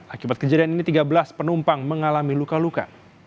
akibat kejadian ini tiga belas penumpang mengalami luka luka